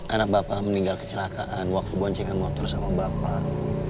anak bapak meninggal kecelakaan waktu boncengan motor sama bapak